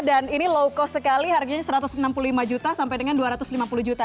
dan ini low cost sekali harganya satu ratus enam puluh lima juta sampai dengan dua ratus lima puluh juta